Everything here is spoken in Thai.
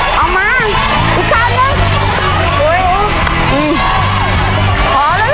ท่านก็ทำ